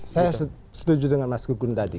saya setuju dengan mas gugun tadi